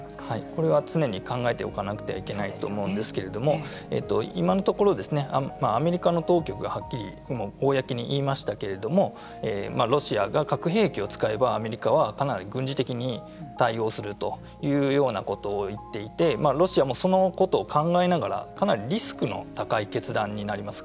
これは常に考えておかなくてはいけないと思うんですけれども今のところアメリカの当局がはっきり公に言いましたけれどもロシアが核兵器を使えばアメリカはかなり軍事的に対応するというようなことを言っていてロシアもそのことを考えながらかなりリスクの高い決断になります